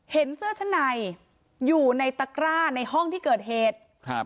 เห็นเสื้อชั้นในอยู่ในตรร่าในห้องที่เกิดเหตุ